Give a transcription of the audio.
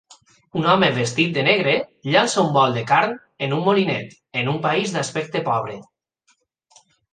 Un home vestit de negre llança un bol de carn en un molinet en un país d'aspecte pobre.